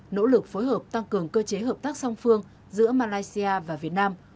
nỗ lực phối hợp tăng cường cơ chế hợp tác song phương giữa malaysia và việt nam